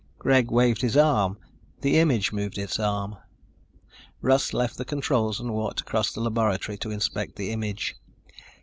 Greg waved his arm; the image moved its arm. Russ left the controls and walked across the laboratory to inspect the image.